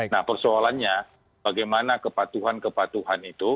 nah persoalannya bagaimana kepatuhan kepatuhan itu